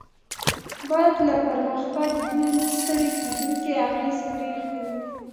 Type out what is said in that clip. بعد له پرمختګ، دوی نه ستړي کیدونکی اغېز پرېښود.